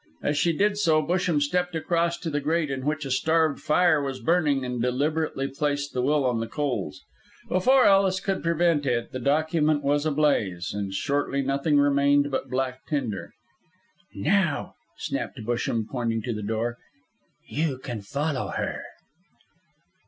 As she did so Busham stepped across to the grate in which a starved fire was burning and deliberately placed the will on the coals. Before Ellis could prevent it, the document was ablaze, and shortly nothing remained but black tinder. "Now," snapped Busham, pointing to the door, "you can follow her."